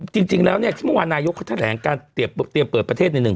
จริงแล้วเนี่ยที่เมื่อวานนายกเขาแถลงการเตรียมเปิดประเทศหนึ่ง